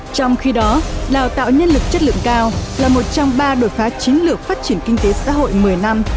trong khi đó đào tạo nhân lực chất lượng cao là một trong ba đột phá chiến lược phát triển kinh tế xã hội một mươi năm